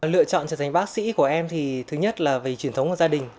lựa chọn trở thành bác sĩ của em thì thứ nhất là về truyền thống của gia đình